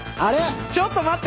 ちょっと待って！